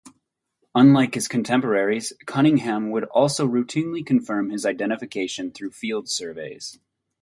Unlike his contemporaries, Cunningham would also routinely confirm his identifications through field surveys.